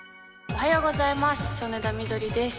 おはようございます。